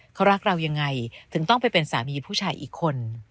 เขารักเรายังไงถึงต้องไปเป็นสามีผู้ชายอีกคน